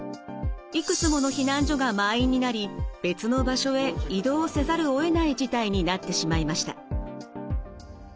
いくつもの避難所が満員になり別の場所へ移動せざるをえない事態になってしまいました。